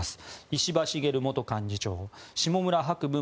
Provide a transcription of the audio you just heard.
石破茂元幹事長下村博文